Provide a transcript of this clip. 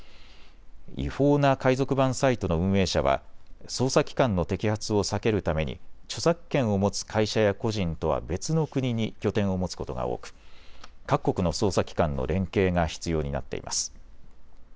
違法な海賊版サイトの運営者は捜査機関の摘発を避けるために著作権を持つ会社や個人とは別の国に拠点を持つことが多く各国の捜査機関の連携が必要になっています。